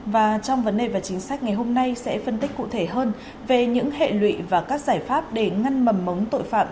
và trong vấn đề và chính sách ngày hôm nay sẽ phân tích cụ thể hơn về những hệ lụy và các giải pháp để ngăn mầm móng tội phạm